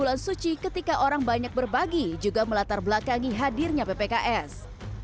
bulan suci ketika orang banyak berbagi juga melatar belakangi hadirnya ppks